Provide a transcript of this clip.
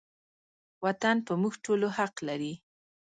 وطن په موږ ټولو حق لري